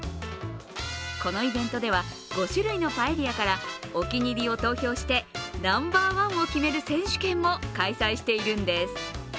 このイベントでは５種類のパエリアからお気に入りを投票してナンバーワンを決める選手権も開催しているんです。